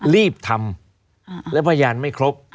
รีบทำแล้วพยานไม่ครบ